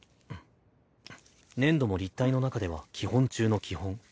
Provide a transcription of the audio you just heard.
粘土も立体の中では基本中の基本。